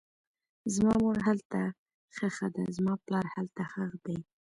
زما مور هلته ښخه ده, زما پلار هلته ښخ دی